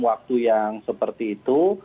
waktu yang seperti itu